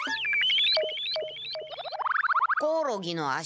コオロギの足。